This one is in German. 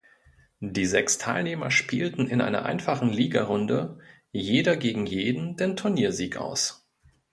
Die sechs Teilnehmer spielten in einer einfachen Ligarunde Jeder gegen Jeden den Turniersieger aus.